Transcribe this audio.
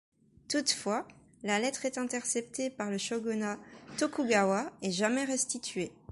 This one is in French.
Toutefois, la lettre est interceptée par le shogunat Tokugawa et jamais restituée.